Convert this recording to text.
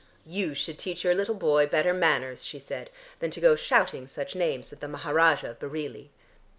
"You should teach your little boy better manners," she said, "than to go shouting such names at the Maharajah of Bareilly."